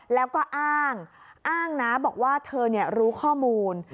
แล้วก็อ้างอ้างนะบอกว่าเธอรู้ข้อมูล